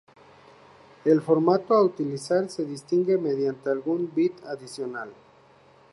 El formato a utilizar se distingue mediante algún bit adicional.